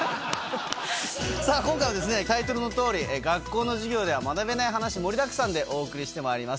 さあ、今回はタイトルのとおり、学校の授業では学べない話、盛りだくさんでお送りしてまいります。